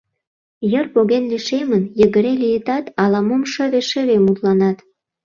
Йыр поген лишемын, йыгыре лийытат, ала-мом шыве-шыве мутланат.